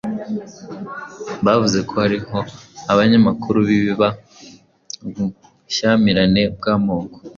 Bavuze ko hariho ibinyamakuru bibiba ubushyamirane bw'amoko,